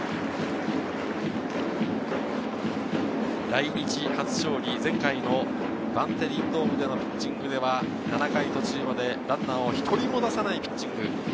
来日初勝利、前回のバンテリンドームでのピッチングでは７回途中までランナーを１人も出さないピッチング。